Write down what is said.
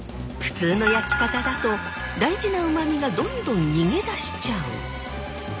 普通の焼き方だと大事なうま味がどんどん逃げ出しちゃう。